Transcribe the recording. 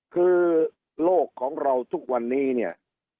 คือโลกของเราทุกวันนี้เนี่ย